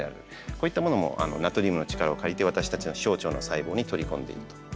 こういったものもナトリウムの力を借りて私たちの小腸の細胞に取り込んでいると。